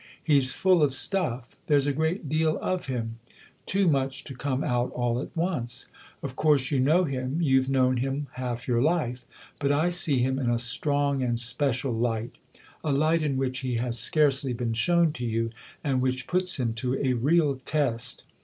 " He's full of stuff there's a great deal of him : too much to come out all at once. Of course you know him you've known him half your life ; but I see him in a strong and special light, a light in which he has scarcely been shown to you and which puts him to a real test.